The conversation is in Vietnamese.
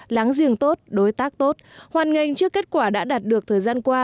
láng giềng tốt đối tác tốt hoàn ngành trước kết quả đã đạt được thời gian qua